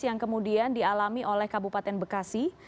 yang kemudian dialami oleh kabupaten bekasi